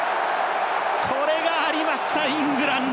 これがありました、イングランド。